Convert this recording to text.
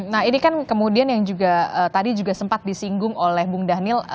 nah ini kan kemudian yang juga tadi juga sempat disinggung oleh bung dhanil